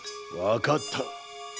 わかった。